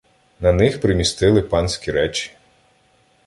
На них примістили "панські речі".